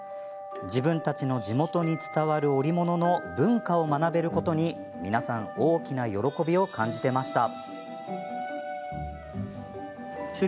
自分たちの地元に伝わる織物の文化を学べることに皆さん、大きな喜びを感じていました。